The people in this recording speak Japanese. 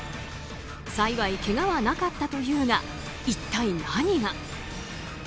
幸いけがはなかったというが一体何が。